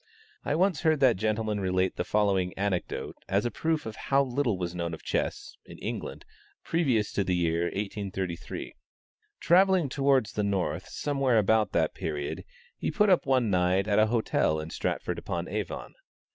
I once heard that gentleman relate the following anecdote as a proof of how little was known of chess, in England, previous to the year 1833. Travelling towards the north somewhere about that period, he put up one night at a hotel in Stratford upon Avon.